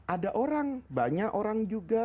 ada orang banyak orang juga